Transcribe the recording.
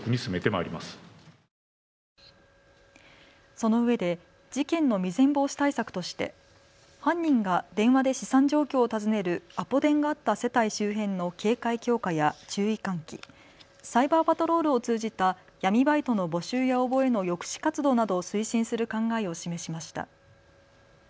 そのうえで事件の未然防止対策として犯人が電話で資産状況を尋ねるアポ電があった世帯周辺の警戒強化や注意喚起、サイバーパトロールを通じた闇バイトの募集や応募への抑止活動などを推進する考えを示しました。